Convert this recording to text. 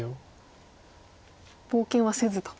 冒険はせずと。